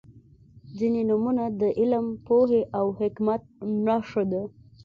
• ځینې نومونه د علم، پوهې او حکمت نښه ده.